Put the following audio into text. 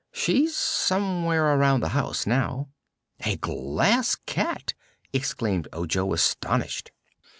She's somewhere around the house now." "A Glass Cat!" exclaimed Ojo, astonished.